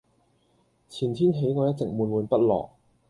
前天起我一直悶悶不樂